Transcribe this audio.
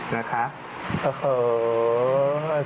นะครับโอ้โห